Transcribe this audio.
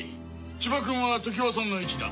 千葉君は常磐さんの位置だ。